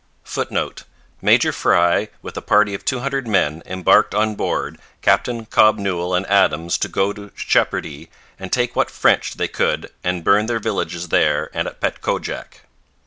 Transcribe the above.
[Footnote: 'Major Frye with a party of 200 men embarked on Board Captain Cobb Newel and Adams to go to Sheperday and take what French thay Could and burn thare vilges thare and at Petcojack.'